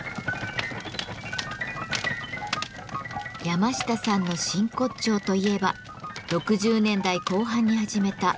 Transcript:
山下さんの真骨頂といえば６０年代後半に始めた「フリージャズ」。